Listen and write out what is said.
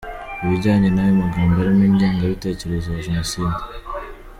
ibijyanye n’ayo magambo arimo ingengabitekerezo ya Jenoside”.